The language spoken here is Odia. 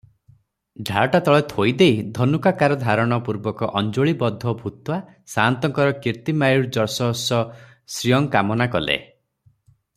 ଢାଳଟା ତଳେ ଥୋଇଦେଇ ଧନୁକାକାରଧାରଣ ପୂର୍ବକ 'ଅଞ୍ଜଳିବଧ୍ଵୋ ଭୂତ୍ଵା' ସାଆନ୍ତଙ୍କର 'କୀର୍ତ୍ତିମାୟୁର୍ଯଶଃଶ୍ରିୟଂ' କାମନା କଲେ ।